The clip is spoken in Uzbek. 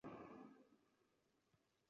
So‘xda ulkan bayroq o‘rnatildi